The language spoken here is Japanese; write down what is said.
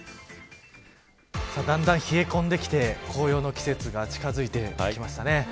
だんだん冷え込んできて紅葉の季節が近づいてきましたね。